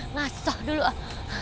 ngasoh dulu ah